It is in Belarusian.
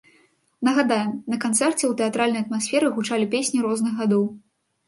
Нагадаем, на канцэрце, у тэатральнай атмасферы гучалі песні розных гадоў.